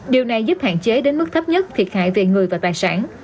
điều này giúp hạn chế đến mức thấp nhất thiệt hại về người và tài sản